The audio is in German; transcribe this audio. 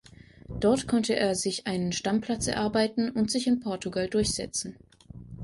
Dort konnte er sich einen Stammplatz erarbeiten und sich in Portugal durchsetzen.